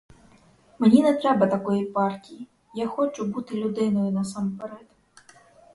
Мені не треба такої партії, я хочу бути людиною насамперед!